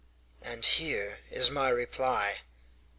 "And here is my reply."